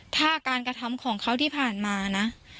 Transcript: ถ้าการกระทำของเขาที่ผ่านมานะ